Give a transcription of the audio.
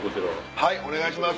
はいお願いします。